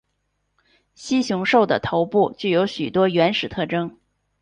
蜥熊兽的头部具有许多原始特征。